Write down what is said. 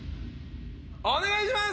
お願いします！